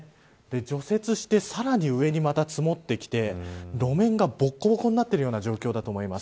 除雪して、さらに上にまた積もってきて路面が、ぼこぼこになっている状況だと思います。